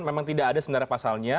memang tidak ada sebenarnya pasalnya